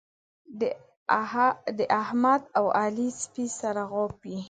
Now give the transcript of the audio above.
د احمد او علي سپي سره غاپي.